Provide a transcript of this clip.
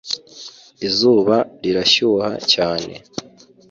izuba rirashyuha cyane